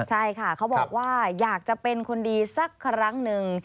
ใช่ค่ะเขาบอกว่าอยากจะเป็นคนดีสักครั้งหนึ่ง